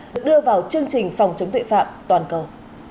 được đưa vào chương trình phòng chống tội phạm toàn cầu